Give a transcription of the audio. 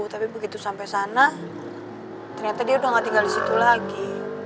tapi begitu sampai sana ternyata dia udah gak tinggal di situ lagi